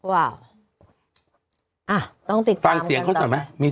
ว้าวต้องติดตามกันต่อไป